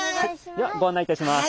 ではご案内いたします。